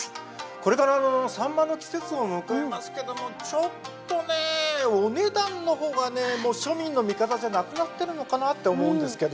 これからサンマの季節を迎えますけどもちょっとねお値段の方がねもう庶民の味方じゃなくなってるのかなって思うんですけど。